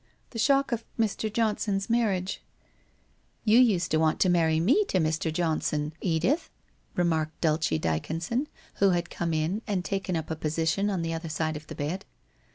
The shock of Mr. John son's marriage *' You used to want to marry me to Mr. Johnson, Edith,' remarked Dulce Dyconson, who had come in, and had taken up a position on the other side of the bed.